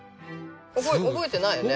覚えてないよね？